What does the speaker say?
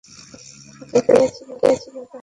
আকাশে চাঁদ উঠিয়াছিল, তাহার জ্যোৎস্না কালি হইয়া গেল।